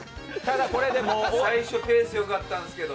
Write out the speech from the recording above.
最初、ペース良かったんですけど。